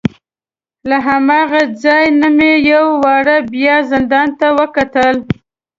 له هماغه ځای نه مې یو وار بیا زندان ته وکتل.